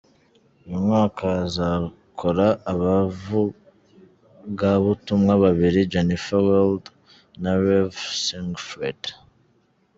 Uyu mwaka hazakora abavugabutumwa babiri, Jennifer Wilde na Rev Siegfried.